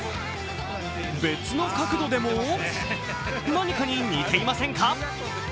別の角度でも、何かに似ていませんか？